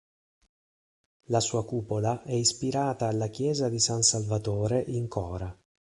La sua cupola è ispirata alla Chiesa di San Salvatore in Chora.